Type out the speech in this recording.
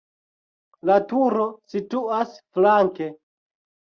La turo situas flanke.